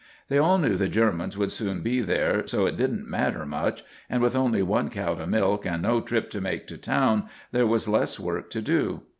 They all knew the Germans would soon be there, so it didn't matter much; and with only one cow to milk and no trip to make to town there was less work to do.